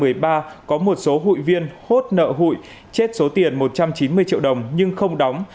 đến năm hai nghìn một mươi ba có một số hụi viên hốt nợ hụi chết số tiền một trăm chín mươi triệu đồng nhưng không đóng